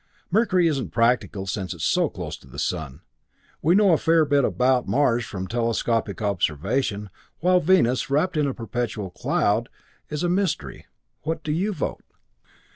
Mercury isn't practical since it's so close to the sun. We know a fair bit about Mars from telescopic observation, while Venus, wrapped in perpetual cloud, is a mystery. What do you vote?"